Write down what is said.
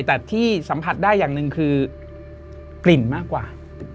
แต่ที่สัมผัสได้อย่างหนึ่งคือกลิ่นมากกว่า